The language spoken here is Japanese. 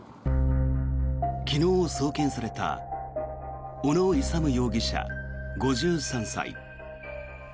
昨日送検された小野勇容疑者、５３歳。